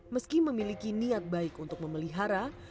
meski memiliki niat baik untuk memelihara